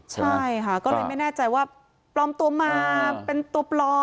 ใช่ค่ะก็เลยไม่แน่ใจว่าปลอมตัวมาเป็นตัวปลอม